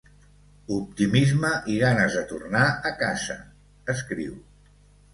Optimisme i ganes de tornar a casa, escriu.